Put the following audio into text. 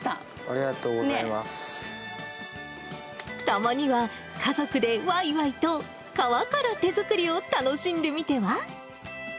たまには家族でわいわいと皮から手作りを楽しんでみては？